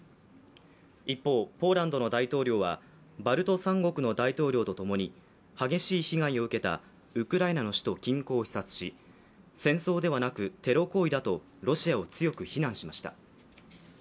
一方、ポーランドの大統領はバルト３国の大統領と共に、激しい被害を受けたウクライナの首都近郊を視察し、戦争ではなくテロ行為だとロシアを強く非難しました。